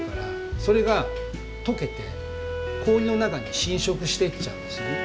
それがとけて氷の中に侵食していっちゃうんですよね。